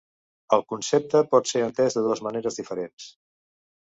El concepte pot ser entès de dues maneres diferents.